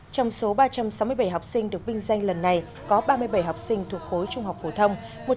trong số ba trăm sáu mươi bảy học sinh được vinh danh lần này có ba mươi bảy học sinh thuộc khối trung học phổ thông